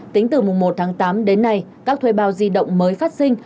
tính từ mùng một tháng tám đến nay các thuê bao di động mới phát sinh